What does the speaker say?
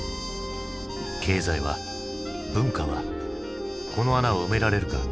経済は文化はこの穴を埋められるか。